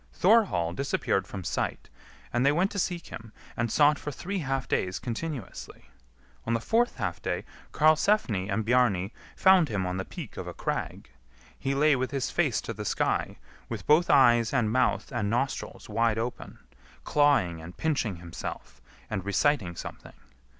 Thorhall disappeared from sight, and they went to seek him, and sought for three half days continuously. On the fourth half day Karlsefni and Bjarni found him on the peak of a crag. He lay with his face to the sky, with both eyes and mouth and nostrils wide open, clawing and pinching himself, and reciting something.